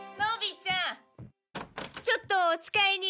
ちょっとお使いに。